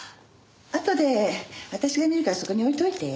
あとで私が見るからそこに置いといて。